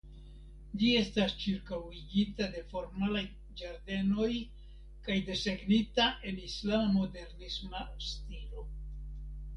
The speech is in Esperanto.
Ĝi estas ĉirkaŭigita de formalaj ĝardenoj kaj desegnita en islama modernisma stilo.